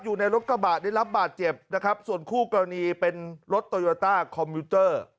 อยู่ในรถกระบะได้รับบาดเจ็บนะครับส่วนคู่กรณีเป็นรถโตโยต้าคอมพิวเตอร์